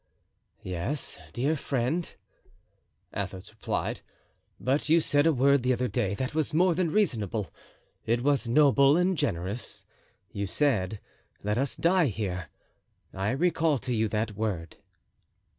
"Yes, dear friend," Athos replied, "but you said a word the other day that was more than reasonable—it was noble and generous. You said, 'Let us die here!' I recall to you that word."